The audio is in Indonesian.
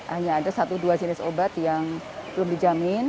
hanya ada satu dua jenis obat yang belum dijamin